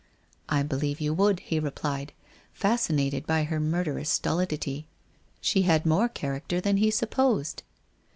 ' I believe you would,' he replied, fascinated by her murderous stolidity. She had more character than he supposed.